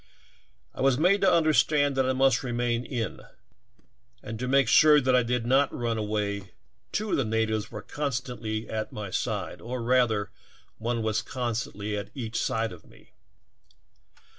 I was made to understand that I must remain in the council hall, and to make sure that I did not run away two of the natives were constantly at my side, or rather, one was constantly at each side of me.